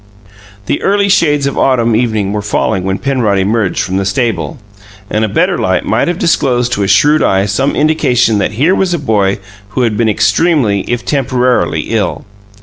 The early shades of autumn evening were falling when Penrod emerged from the stable; and a better light might have disclosed to a shrewd eye some indications that here was a boy who had been extremely, if temporarily, ill.